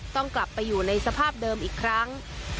ต้องกลับไปอยู่ในสภาพเดิมอีกครั้ง